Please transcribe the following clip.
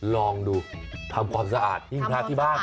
ลองดูทำความสะอาดหิ้งพระที่บ้าน